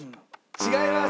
違います。